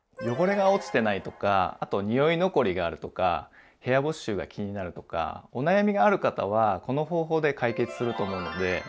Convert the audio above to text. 汚れが落ちてないとかあと匂い残りがあるとか部屋干し臭が気になるとかお悩みがある方はこの方法で解決すると思うので。